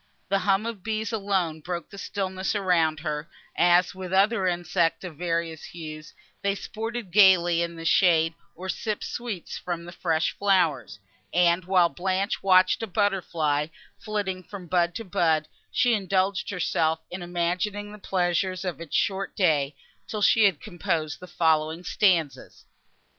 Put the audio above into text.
The hum of bees alone broke the stillness around her, as, with other insects of various hues, they sported gaily in the shade, or sipped sweets from the fresh flowers: and, while Blanche watched a butter fly, flitting from bud to bud, she indulged herself in imagining the pleasures of its short day, till she had composed the following stanzas.